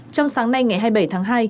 trong sáng nay ngày hai mươi bảy tháng hai